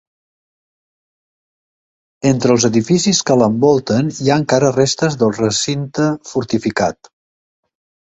Entre els edificis que l'envolten hi ha encara restes del recinte fortificat.